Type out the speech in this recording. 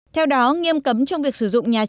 theo đó nghiêm cấm trong việc sử dụng nhà trung cư